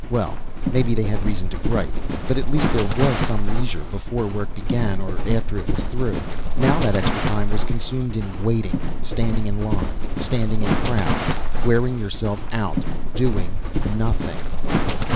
Well, maybe they had reason to gripe, but at least there was some leisure before work began or after it was through. Now that extra time was consumed in waiting. Standing in line, standing in crowds, wearing yourself out doing nothing.